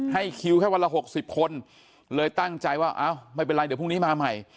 คิวแค่วันละ๖๐คนเลยตั้งใจว่าอ้าวไม่เป็นไรเดี๋ยวพรุ่งนี้มาใหม่